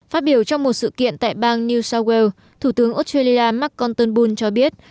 phát biểu trong một sự kiện tại bang new south wales thủ tướng australia mark conternbul cho biết